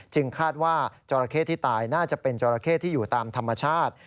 คาดว่าจราเข้ที่ตายน่าจะเป็นจราเข้ที่อยู่ตามธรรมชาติ